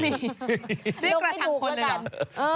เรียกกระชังคนเลยเหรอ